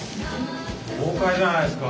豪快じゃないですか。